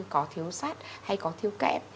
có thiếu sắt hay có thiếu kẹp